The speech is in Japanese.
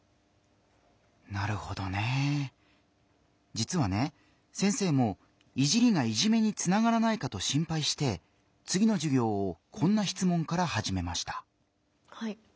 じつはね先生も「いじり」が「いじめ」につながらないかと心ぱいしてつぎの授業をこんなしつもんからはじめました。